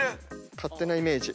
勝手なイメージ。